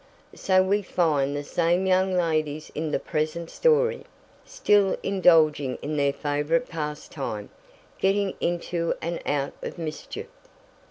So we find the same young ladies in the present story, still indulging in their favorite pastime getting into and out of mischief.